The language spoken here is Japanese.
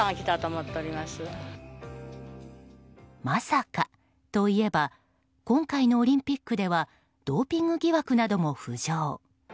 まさかといえば今回のオリンピックではドーピング疑惑なども浮上。